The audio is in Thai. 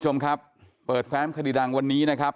คุณผู้ชมครับเปิดแฟ้มคดีดังวันนี้นะครับ